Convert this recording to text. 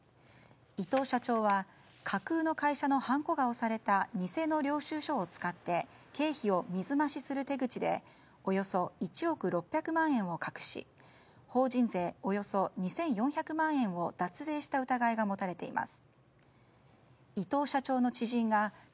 伊藤社長は架空の会社のはんこが押された偽の領収書を使って経費を水増しする手口でおよそ１億６００万円を隠し法人税およそ２４００万円を脱税した疑いが持たれています。